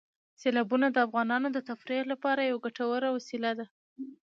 سیلابونه د افغانانو د تفریح لپاره یوه ګټوره وسیله ده.